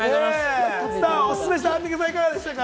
おすすめしたアンミカさん、いかがでしたか？